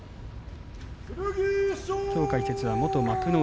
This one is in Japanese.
きょう解説は元幕内